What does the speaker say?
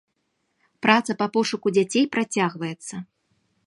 Праца па пошуку дзяцей працягваецца.